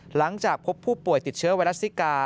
หลังจากพบผู้ป่วยติดเชื้อไวรัสซิกา